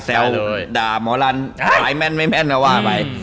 แซวด่าหมอรันไอแม่นไม่แม่นก็ว่าไป